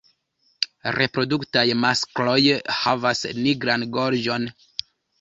Reproduktaj maskloj havas nigran gorĝon.